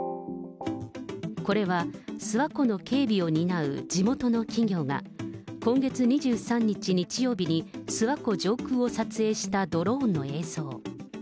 これは諏訪湖の警備を担う地元の企業が、今月２３日日曜日に、諏訪湖上空を撮影したドローンの映像。